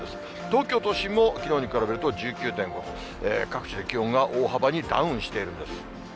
東京都心もきのうに比べると１９．５度、各地で気温が大幅にダウンしているんです。